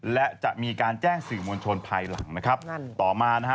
และจะมีการแจ้งสื่อมวลชนภายหลังนะครับนั่นต่อมานะฮะ